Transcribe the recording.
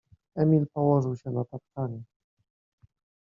Emil położył się na tapczanie.